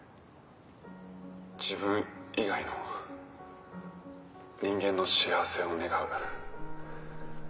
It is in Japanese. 自分以外の人間の幸せを願う。